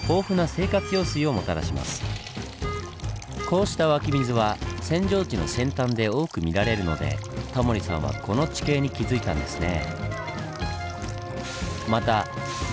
こうした湧き水は扇状地の先端で多く見られるのでタモリさんはこの地形に気付いたんですね。